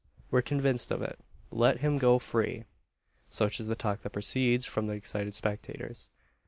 We're convinced of it. Let him go free!" Such is the talk that proceeds from the excited spectators.